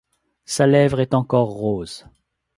Sa lèvre est encor rose.